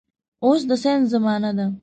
اوس د ساينس زمانه ده